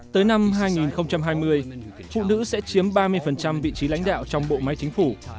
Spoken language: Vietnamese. tới năm hai nghìn hai mươi phụ nữ sẽ chiếm ba mươi vị trí lãnh đạo trong bộ máy chính phủ